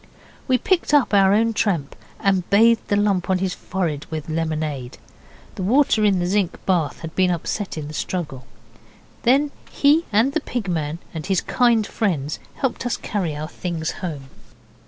We picked up our own tramp and bathed the lump on his forehead with lemonade. The water in the zinc bath had been upset in the struggle. Then he and the Pig man and his kind friends helped us carry our things home.